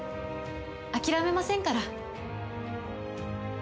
「諦めませんから」